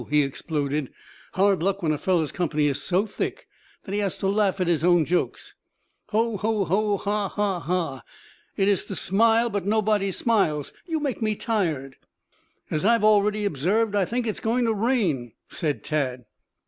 he exploded. "Hard luck when a fellow's company is so thick that he has to laugh at his own jokes. Ho, ho, ho! Ha, ha, ha! It is to smile, but nobody smiles. You make me tired." "As I have already observed, I think it is going to rain," said Tad.